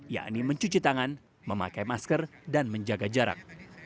yakni mencuci tangan memakai masker dan menjaga jarak